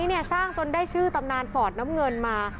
ก่อนหน้านี้สร้างจนได้ชื่อตำนานฝอดน้ำเงินมา